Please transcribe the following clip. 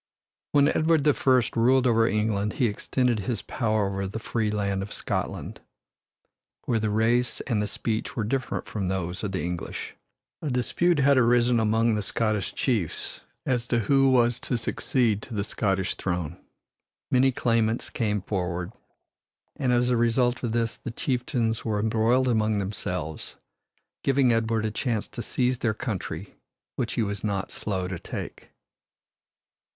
When Edward the First ruled over England he extended his power over the free land of Scotland, where the race and the speech were different from those of the English. A dispute had arisen among the Scottish chiefs as to who was to succeed to the Scottish throne. Many claimants came forward, and as a result of this the chieftains were embroiled among themselves, giving Edward a chance to seize their country which he was not slow to take.